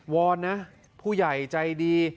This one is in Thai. อนนะผู้ใหญ่ใจดี